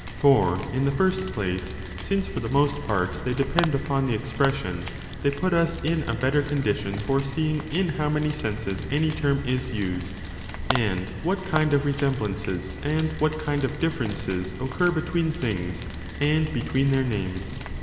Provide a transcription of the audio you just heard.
For 5 in the first place, since for the most part they depend upon the expression, they put us in a better condition for seeing in how many senses any term is used, and what kind of resemblances and what kind of differences occur between things and between their names.